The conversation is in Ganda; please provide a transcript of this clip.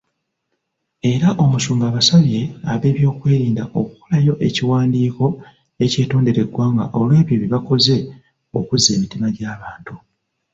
Era Omusumba abasabye ab'ebyokwerinda okukolayo ekiwandiiko ekyetondera eggwanga olwebyo bye bakoze okuzza emitima gy'abantu.